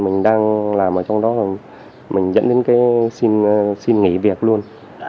rồi mình đang làm ở trong đó rồi mình dẫn đến cái xin nghỉ việc luôn